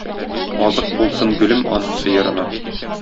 Азык булсын гөлем аның сыерына